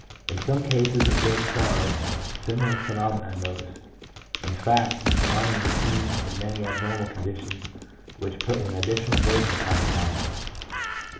In some cases of great sorrow, similar phenomena are noticed; in fact, the phenomenon is seen in many abnormal conditions which put an additional burden upon the mind.